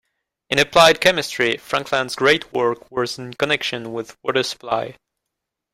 In applied chemistry Frankland's great work was in connection with water-supply.